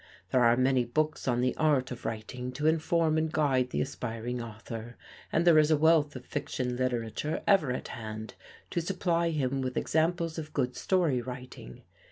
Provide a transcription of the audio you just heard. There are many books on the art of writing to inform and guide the aspiring author, and there is a wealth of fiction literature ever at hand to supply him with examples of good story writing.